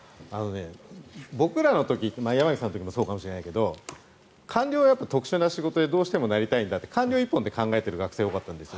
僕らの時山口さんの時もそうかもしれないけど官僚は特殊な仕事でどうしてもなりたいんだって官僚一本で考えている学生が多かったんです